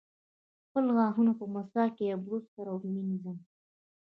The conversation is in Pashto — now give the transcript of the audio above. خپل غاښونه په مسواک یا برس سره مینځم.